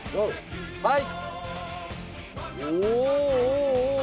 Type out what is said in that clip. はい。